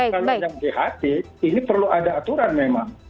kalau yang ght ini perlu ada aturan memang